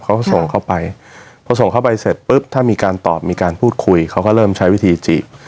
เขาส่งเข้าไปพอส่งเข้าไปเสร็จปุ๊บถ้ามีการตอบมีการพูดคุยเขาก็เริ่มใช้วิธีจีบ